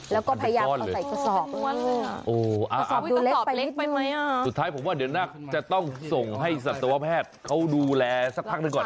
แล้วก็พยายามเอาใส่ประสอบประสอบดูเล็กไปนิดหนึ่งสุดท้ายผมว่าเดี๋ยวนักจะต้องส่งให้สัตวแพทย์เขาดูแลสักพักนึงก่อนนะ